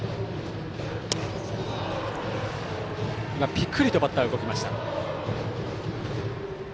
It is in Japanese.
ぴくりとバッター動きました。